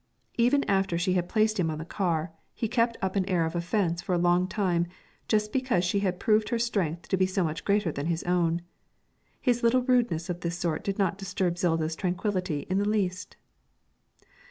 Even after she had placed him on the car, he kept up an air of offence for a long time just because she had proved her strength to be so much greater than his own. His little rudenesses of this sort did not disturb Zilda's tranquillity in the least.